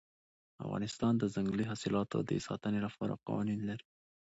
افغانستان د ځنګلي حاصلاتو د ساتنې لپاره قوانین لري.